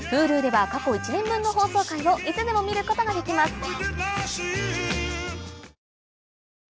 Ｈｕｌｕでは過去１年分の放送回をいつでも見ることができます